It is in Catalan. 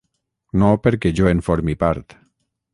No perquè jo en formi part.